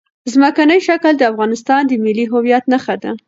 ځمکنی شکل د افغانستان د ملي هویت نښه ده.